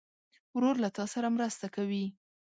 ورور له تا سره مرسته کوي.